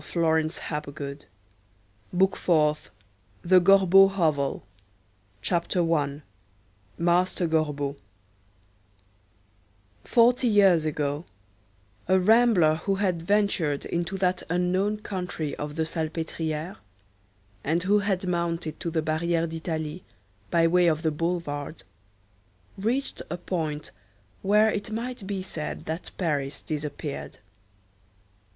BOOK FOURTH—THE GORBEAU HOVEL [Illustration: The Gorbeau Hovel] CHAPTER I—MASTER GORBEAU Forty years ago, a rambler who had ventured into that unknown country of the Salpêtrière, and who had mounted to the Barrière d'Italie by way of the boulevard, reached a point where it might be said that Paris disappeared.